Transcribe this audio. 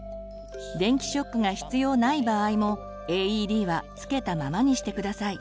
電気ショックが必要ない場合もＡＥＤはつけたままにしてください。